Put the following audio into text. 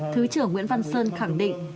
thứ trưởng nguyễn văn sơn khẳng định